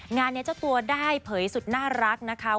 งานนี้เจ้าตัวได้เผยสุดน่ารักนะคะ